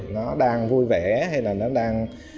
nó đang vui vẻ hay là nó đang